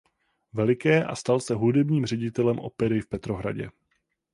Veliké a stal se hudebním ředitelem opery v Petrohradě.